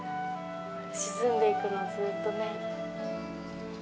沈んでいくのをずっとね。